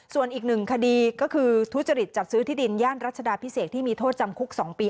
ส่วนอีกหนึ่งคดีก็คือทุจริตจัดซื้อที่ดินย่านรัชดาพิเศษที่มีโทษจำคุก๒ปี